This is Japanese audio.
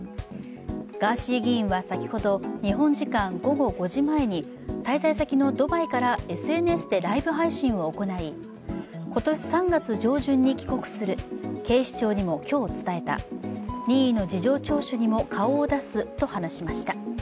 ガーシー議員は先ほど、日本時間午後５時前に、滞在先のドバイからＳＮＳでライブ配信を行い今年３月上旬に帰国する、警視庁にも今日伝えた、任意の事情聴取にも顔を出すと話しました。